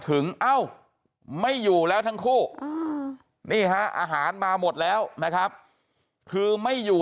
เอ้าไม่อยู่แล้วทั้งคู่นี่ฮะอาหารมาหมดแล้วนะครับคือไม่อยู่